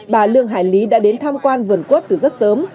bà lương hải lý đã đến tham quan vườn quốc từ rất sớm